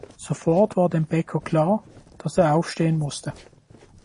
Sofort war dem Bäcker klar, dass er aufstehen musste.